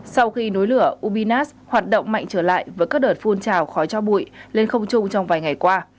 sau khi núi lửa ubinas hoạt động mạnh trở lại với các đợt phun trào khói cho bụi lên không chung trong vài ngày qua